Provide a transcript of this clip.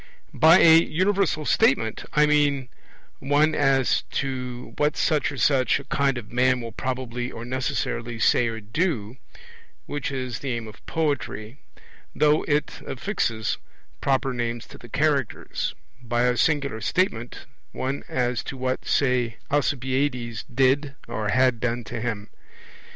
By a universal statement I mean one as to what such or such a kind of man will probably or necessarily say or do which is the aim of poetry, though it affixes proper names to the characters; by a singular statement, one as to what, say, Alcibiades did or had done to him.